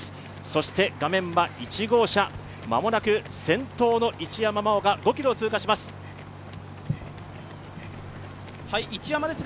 そして、画面は１号車、間もなく先頭の一山麻緒が間もなく５ｋｍを通過します。